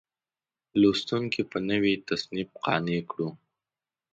لوستونکي په نوي تصنیف قانع کړو.